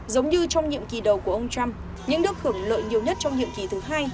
giống như trong nhiệm kỳ đầu của ông trump những nước hưởng lợi nhiều nhất trong nhiệm kỳ thứ hai